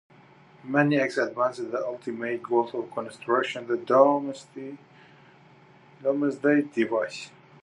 Many Acts advance the ultimate goal of constructing the doomsday device.